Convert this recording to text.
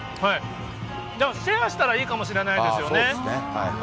だからシェアしたらいいかもしれないですよね。